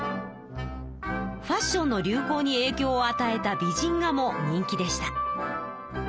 ファッションの流行にえいきょうをあたえた美人画も人気でした。